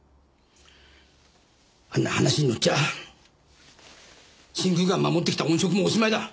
あんな話に乗っちゃあ新宮が守ってきた音色もおしまいだ。